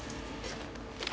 あ！